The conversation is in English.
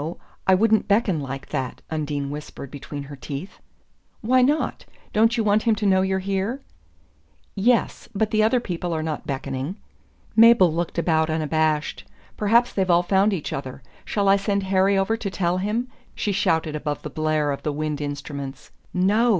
I wouldn't beckon like that," Undine whispered between her teeth. "Why not? Don't you want him to know you're here?" "Yes but the other people are not beckoning." Mabel looked about unabashed. "Perhaps they've all found each other. Shall I send Harry over to tell him?" she shouted above the blare of the wind instruments. "NO!"